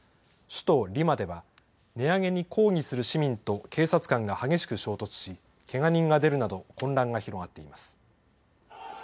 首都リマでは値上げに抗議する市民と警察官が激しく衝突しけが人が出るなど混乱が広がっています。